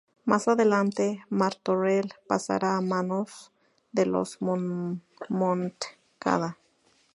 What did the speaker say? Más adelante, Martorell pasará a manos de los Montcada.